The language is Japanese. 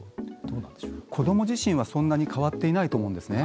子ども自身はそんなに変わっていないと思うんですね。